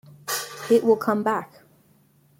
It will come back.